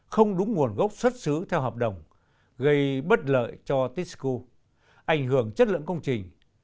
không đúng nguồn gốc xuất xứ theo hợp đồng gây bất lợi cho tisco ảnh hưởng chất lượng công trình